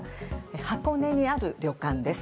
箱根にある旅館です。